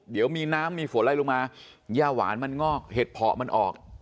เดี๋ยวมีน้ำมีฝนไล่ลงมาย่าหวานมันงอกเห็ดเพาะมันออก